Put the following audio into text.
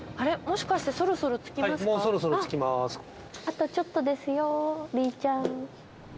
もしかしてそろそろ着きますか？